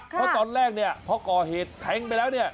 เพราะตอนแรกเนี่ยพอก่อเหตุแทงไปแล้วเนี่ย